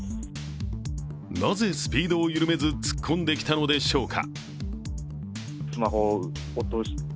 なぜ、スピードを緩めず突っ込んできたのでしょうか。